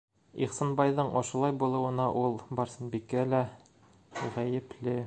Ихсанбайҙың ошолай булыуына ул, Барсынбикә лә, ғәйепле.